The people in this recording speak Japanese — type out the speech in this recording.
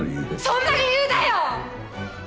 そんな理由だよ！